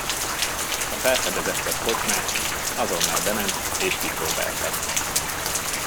Ha felfedezett egy kocsmát, azonnal bement és kipróbálta.